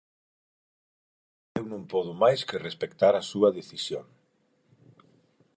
Eu non podo máis que respectar a súa decisión.